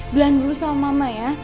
belan dulu sama mama ya